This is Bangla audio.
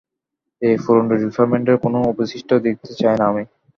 এই পুরনো ডিপার্টমেন্টের কোনো অবশিষ্ট দেখতে চাই না আমি।